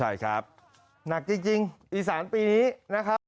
ใช่ครับหนักจริงอีสานปีนี้นะครับ